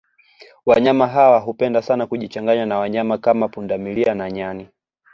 Wanyama hawa hupenda sana kujichanganya na wanyama kama pundamlia na nyani